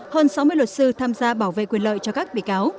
hơn sáu mươi luật sư tham gia bảo vệ quyền lợi cho các bị cáo